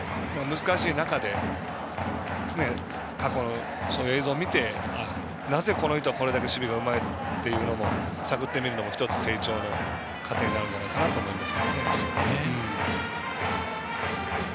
難しい中で、過去の映像を見てなぜ、この人はこれだけ守備がうまいかを探ってみるのも１つ、成長の糧になるかなと思います。